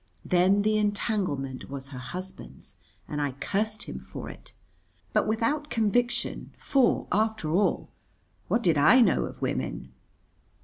Then the entanglement was her husband's, and I cursed him for it. But without conviction, for, after all, what did I know of women?